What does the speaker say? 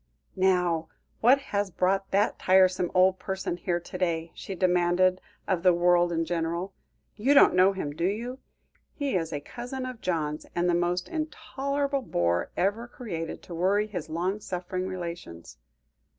"Now, what has brought that tiresome old person here to day," she demanded of the world in general; "you don't know him, do you? He is a cousin of John's; and the most intolerable bore ever created to worry his long suffering relations."